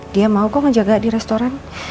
dia mau kok ngejaga di restoran